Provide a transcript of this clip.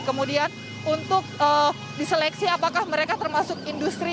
kemudian untuk diseleksi apakah mereka termasuk industri